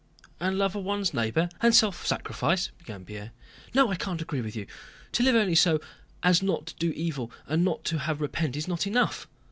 "And love of one's neighbor, and self sacrifice?" began Pierre. "No, I can't agree with you! To live only so as not to do evil and not to have to repent is not enough.